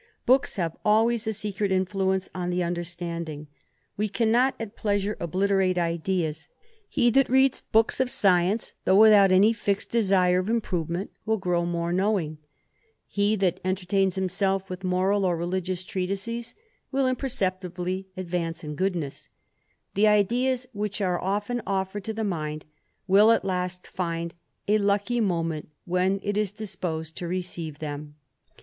Books have always a secret influence on the ^^erstanding ; we cannot at pleasure obliterate ideas : he * Note XXI 11., Appendix. 266 THE ADVENTURER. that reads books of science, though without any fixec desire of improvement, will grow more knowing ; he tha entertains himself with moral or religious treatises, wi] imperceptibly advance in goodness ; the ideas which ar often offered to the mind, will at last find a lucky momer when it is disposed to receive them.